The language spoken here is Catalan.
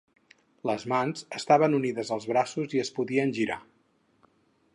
Les mans estaven unides als braços i es podien girar.